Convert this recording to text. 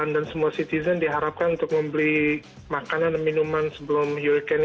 dan semua citizen diharapkan untuk membeli makanan dan minuman sebelum hurricane